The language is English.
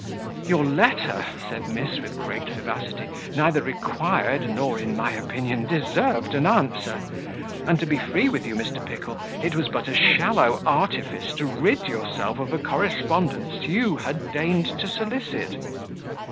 "Your letter," said miss, with great vivacity, "neither required, nor, in my opinion, deserved an answer; and to be free with you, Mr. Pickle, it was but a shallow artifice to rid yourself of a correspondence you had deigned to solicit."